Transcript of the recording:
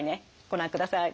ご覧ください。